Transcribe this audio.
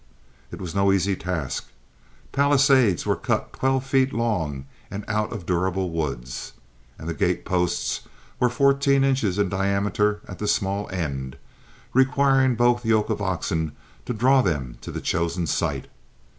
It was no easy task; palisades were cut twelve feet long and out of durable woods, and the gate posts were fourteen inches in diameter at the small end, requiring both yoke of oxen to draw them to the chosen site.